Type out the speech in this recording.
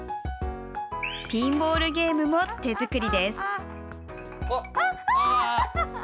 ピンボールゲームも手作りです。